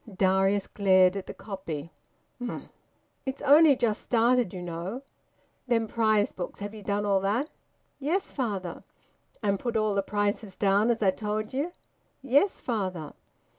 Darius glared at the copy. "Humph!" "It's only just started, you know." "Them prize books have ye done all that?" "Yes, father." "And put all the prices down, as I told ye?" "Yes, father."